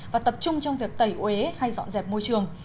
và tập trung trong việc tẩy uế hay dọn dẹp môi trường